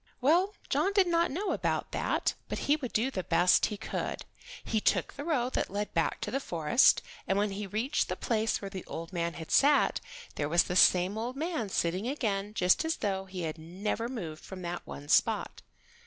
Well, John did not know about that, but he would do the best he could. He took the road that led back to the forest, and when he reached the place where the old man had sat, there was the old man sitting again just as though he had never moved from that one spot.